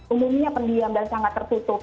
umumnya pendiam dan sangat tertutup